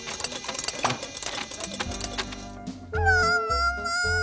ももも！